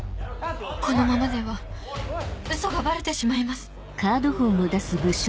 このままではウソがバレてしまいます